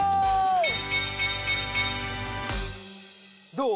どう？